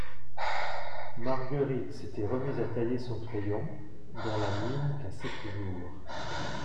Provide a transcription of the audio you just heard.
Marguerite s'était remise à tailler son crayon, dont la mine cassait toujours.